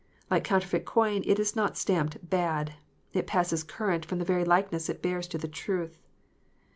Like counter feit coin, it is not stamped "bad:" it passes current from the very likeness it bears to the truth.